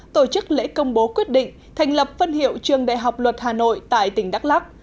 tổ chức lễ công bố quyết định thành lập phân hiệu trường đại học luật hà nội tại tỉnh đắk lắc